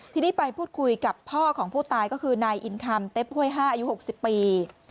ทีนี้ไปพูดคุยกับพ่อของผู้ตายก็คือนายอินคำเต็ปห้วย๕อายุ๖๐ปี